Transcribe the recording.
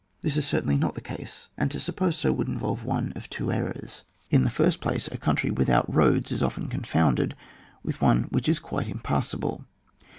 This is certainly not the case, and to suppose so would involve one of two errors. In the first place, a oojmtty without roads is often confounded with one which is quite impassable.